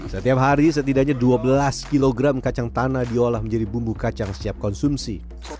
setiap hari setidaknya dua belas kg kacang tanah diolah menjadi bumbu kacang setiap konsumsi